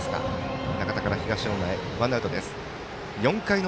仲田から東恩納へワンアウトです。